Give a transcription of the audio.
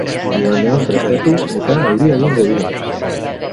Igandean freskatu, eta euria egingo du.